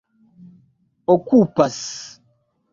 okupas